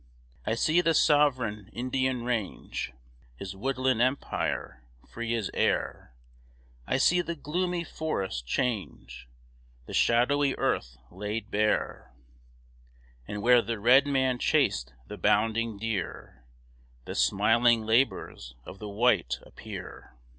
I see the sovereign Indian range His woodland empire, free as air; I see the gloomy forest change, The shadowy earth laid bare; And where the red man chased the bounding deer, The smiling labors of the white appear.